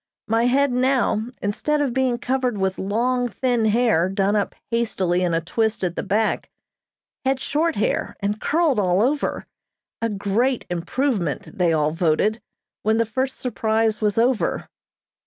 My head now, instead of being covered with long, thin hair, done up hastily in a twist at the back, had short hair and curled all over, a great improvement, they all voted, when the first surprise was over.